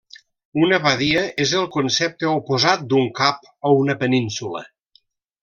Una badia és el concepte oposat d'un cap o una península.